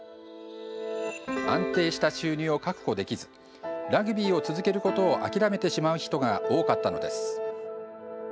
安定した収入を確保できずラグビーを続けることを諦めてしまう人が多かったのです。